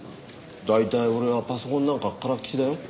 大体俺はパソコンなんかからっきしだよ。